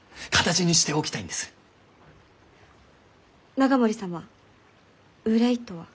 永守様「憂い」とは？